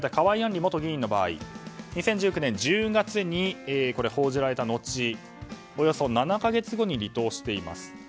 里元議員の場合２０１９年１０月に報じられた後およそ７か月後に離党しています。